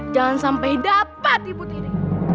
jangan sampai dapat ibu tiri